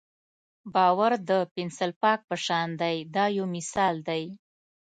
باور د پنسل پاک په شان دی دا یو مثال دی.